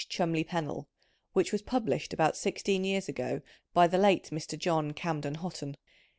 Cholmon deley Pennell, which was published about sixteen years ago by the late Mr. John Camden Hotten.